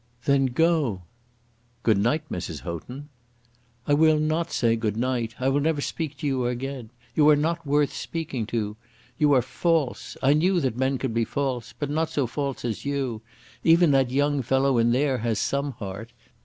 "Then go!" "Good night, Mrs. Houghton." "I will not say good night. I will never speak to you again. You are not worth speaking to. You are false. I knew that men could be false, but not so false as you. Even that young fellow in there has some heart.